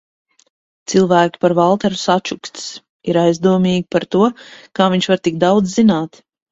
Cilvēki par Valteru sačukstas, ir aizdomīgi par to, kā viņš var tik daudz zināt.